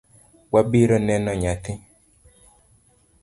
Wabiro neno nyathi.